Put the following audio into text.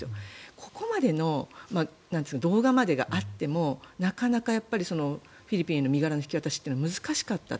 ここまでの動画までがあってもなかなかフィリピンの身柄の引き渡しというのは難しかったと。